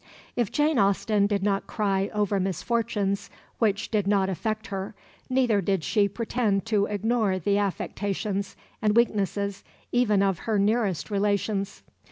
If Jane Austen did not cry over misfortunes which did not affect her, neither did she pretend to ignore the affectations and weaknesses even of her nearest relations.